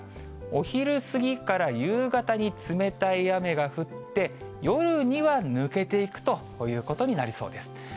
お昼過ぎから夕方に冷たい雨が降って、夜には抜けていくということになりそうです。